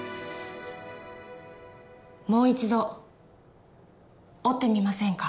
もう一度折ってみませんか？